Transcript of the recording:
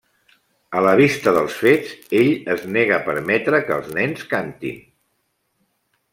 A la vista dels fets, ell es nega permetre que els nens cantin.